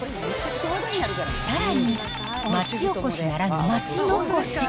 さらに、町おこしならぬ町残し。